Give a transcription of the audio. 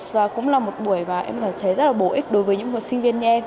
và cũng là một buổi em cảm thấy rất là bổ ích đối với những sinh viên như em